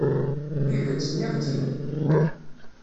Tidet, nniɣ-tt-id.